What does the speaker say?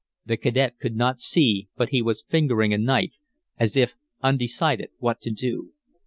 The cadet could not see, but he was fingering a knife, as if undecided what to do.